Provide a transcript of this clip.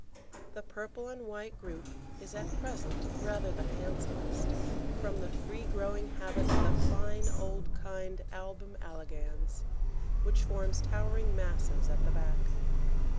The purple and white group is at present rather the handsomest, from the free growing habit of the fine old kind Album elegans, which forms towering masses at the back.